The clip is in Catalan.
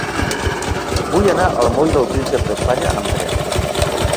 Vull anar al moll del Príncep d'Espanya amb tren.